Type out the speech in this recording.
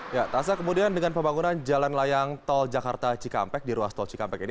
ya taza kemudian dengan pembangunan jalan layang tol jakarta cikampek di ruas tol cikampek ini